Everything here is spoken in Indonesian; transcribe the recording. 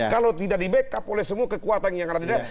kalau tidak di backup oleh semua kekuatan yang ada di dalam